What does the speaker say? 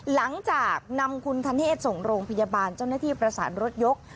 หลังจากนำคุณธเนศส่งโรงพยาบาลเจ้าหน้าที่ประสานรถยก